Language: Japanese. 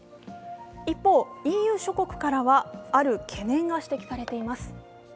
一方、ＥＵ諸国からは、ある懸念が指摘されています。